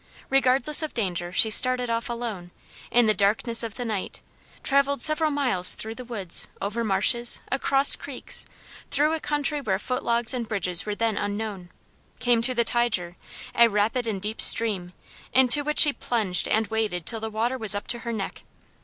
Regardless of danger she started off alone, in the darkness of the night; traveled several miles through the woods, over marshes, across creeks, through a country where foot logs and bridges were then unknown; came to the Tyger, a rapid and deep stream, into which she plunged and waded till the water was up to her neck.